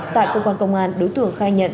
tại cơ quan công an đối tượng khai nhận